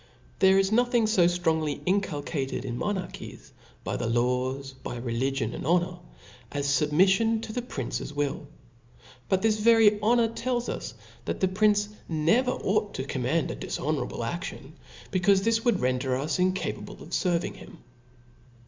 There is nothing fo ftrongly inculcated in mo narchies^ by the laws, by religion, and honor, as fubmiffion to the prince's will j but this very honor tetls us, that the prince never ought to command a dilhonorable aftion, becaufe this would render us incapable Of ferving him.